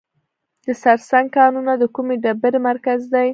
د سرسنګ کانونه د کومې ډبرې مرکز دی؟